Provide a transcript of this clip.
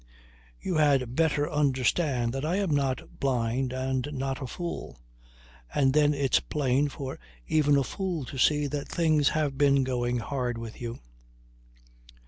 You had better understand that I am not blind and not a fool. And then it's plain for even a fool to see that things have been going hard with you.